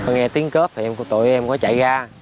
nghe tiếng cướp thì tội em có chạy ra